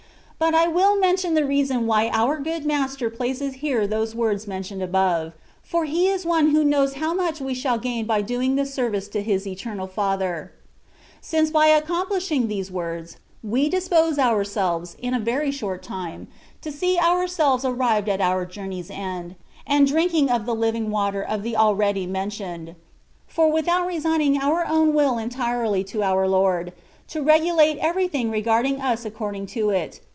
But I will mention the reason why our good Master places here those words mentioned above, for He is one who knows how much we shall gain by doing this service to His Eternal Father, since by accomplishing these words, we dispose ourselves, in a very short time^ *'' Y despues tan eeoasot," &c. THE WAT OF PERFBCTION. 168 to see ourselves arrived at our joumey^s end^ and drinking of tibe ^^ living water*^ of the already mentioned; for without resigning our own will entirely to our Lord, to regulate everything regarding us according to it.